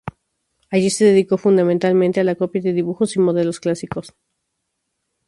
Allí se dedicó fundamentalmente a la copia de dibujos y modelos clásicos.